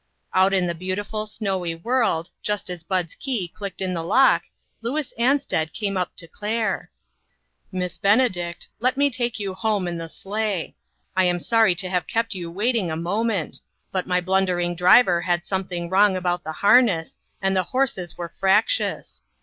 Out in the beautiful, snowy world, just as Bud's key clicked in the lock, Louis An sted came up to Claire. 23O INTERRUPTED. "Miss Benedict, let me take you home in the sleigh. I am sorry to have kept you waiting a moment ; but my blundering driver had something wrong about the harness, and the horses were fractious.